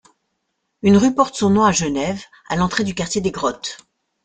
Une rue porte son nom à Genève à l'entrée du quartier des Grottes.